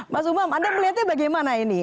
mas umam anda melihatnya bagaimana ini